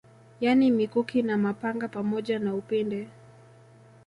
Yani mikuki na mapanga pamoja na upinde